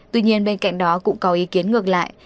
tuy nhiên bên cạnh đó cũng có ý kiến ngược lại